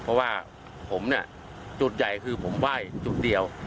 เพราะว่าผมเนี่ยจุดใหญ่คือผมไหว้จุดเดียว